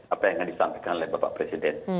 apa yang akan disampaikan oleh bapak presiden